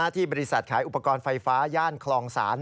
ที่บริษัทขายอุปกรณ์ไฟฟ้าย่านคลองศาล